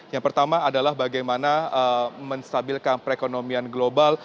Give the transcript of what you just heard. yang pertama adalah bagaimana menstabilkan perekonomian global